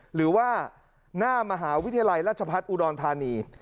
หรือว่าหน้ามหาวิทยาลัยราชพัฒน์อุดรธานี